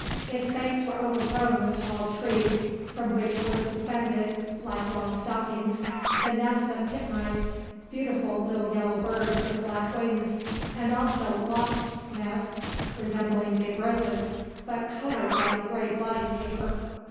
Its banks were overgrown with tall trees from which were suspended like long stockings the nests of titmice, beautiful little yellow birds with black wings, and also wasps' nests resembling big roses, but colored like gray blotting paper.